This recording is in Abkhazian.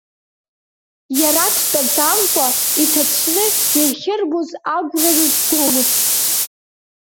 Иара дтәаӡамкәа иҭацәны иахьырбоз агәра рызгомызт…